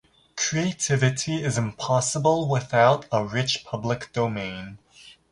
Creativity is impossible without a rich public domain.